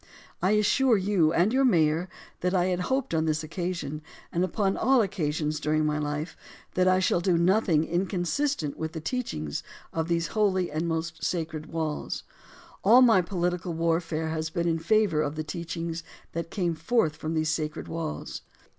I assure you and your mayor that I had hoped on this occasion, and upon all occasions during my life, that I shall do nothing inconsistent with the teachings of these holy and most sacred walls. All my political warfare has been in favor of the teachings that came forth from these sacred walls.